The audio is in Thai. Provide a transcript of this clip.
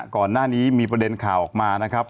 ก่อนหน้านี้มีประเด็นข่าวออกมานะครับ